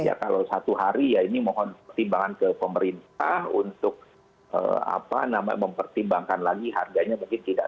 ya kalau satu hari ya ini mohon pertimbangan ke pemerintah untuk mempertimbangkan lagi harganya mungkin tidak